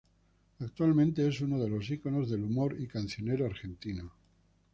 Actualmente es uno de los iconos del humor y cancionero argentino.